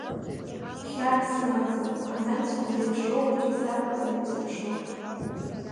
Хьаа сымаӡам, анализқәа зеиԥшроу уаҵәы исарҳәозар ҳәа сыԥшуп.